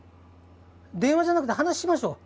電話じゃなくて話しましょう。